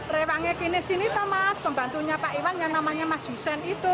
rewangnya kini sini tuh mas pembantunya pak iwan yang namanya mas hussein itu